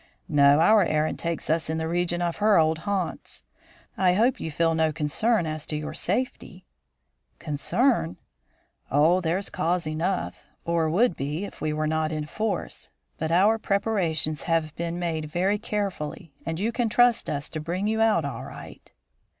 "No, our errand takes us in the region of her old haunts. I hope you feel no concern as to your safety?" "Concern?" "Oh, there's cause enough, or would be, if we were not in force. But our preparations have been made very carefully, and you can trust us to bring you out all right."